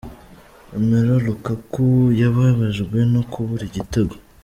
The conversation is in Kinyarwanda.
Lomelo Lukaku yababajwe no kubura igitego.